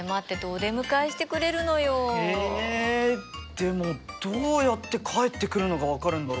でもどうやって帰ってくるのが分かるんだろ？